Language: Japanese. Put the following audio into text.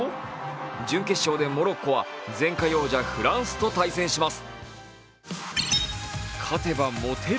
準決勝でモロッコは前回王者フランスと対戦します。